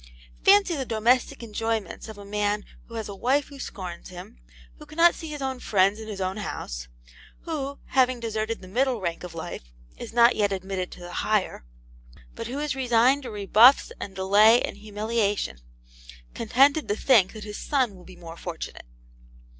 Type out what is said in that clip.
Fancy the domestic enjoyments of a man who has a wife who scorns him; who cannot see his own friends in his own house; who having deserted the middle rank of life, is not yet admitted to the higher; but who is resigned to rebuffs and delay and humiliation, contented to think that his son will be more fortunate.